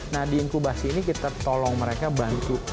nah di inkubasi ini kita tolong mereka bantu